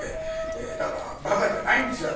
だからバカじゃないんですよ